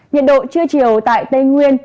nhiệt độ trưa chiều tại tây nguyên